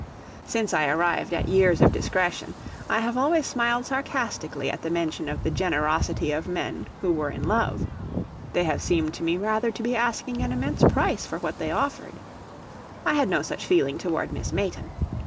Since I arrived at years of discretion, I have always smiled sarcastically at the mention of the generosity of men who were in love; they have seemed to me rather to be asking an immense price for what they offered. I had no such feeling toward Miss Mayton.